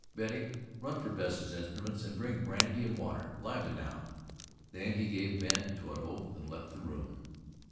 Betty, run for Bess's instruments, and bring brandy and water. Lively now!" Then he gave vent to an oath and left the room.